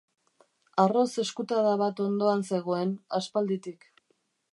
Arroz eskutada bat hondoan zegoen, aspalditik.